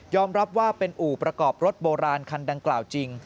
รับว่าเป็นอู่ประกอบรถโบราณคันดังกล่าวจริง